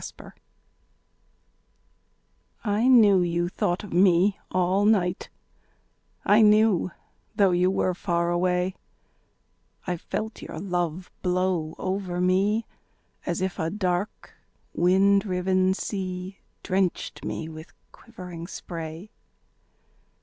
Spray I knew you thought of me all night, I knew, though you were far away; I felt your love blow over me As if a dark wind riven sea Drenched me with quivering spray.